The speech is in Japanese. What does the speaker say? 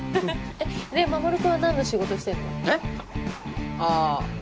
で守君は何の仕事してんの？えっ？あ。